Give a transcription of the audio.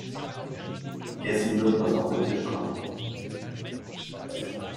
Gegessen wird, was auf den Tisch kommt.